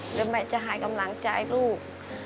หรือแม่จะหายกำลังใจลูก